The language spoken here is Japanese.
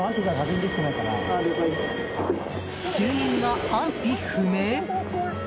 住人が安否不明？